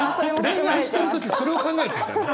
恋愛してる時それを考えてたの？